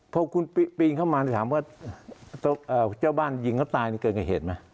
พอคุณปีนเข้ามาถามว่าเจ้าบ้านยิงเขาตายนี่เกินกว่าเหตุไหม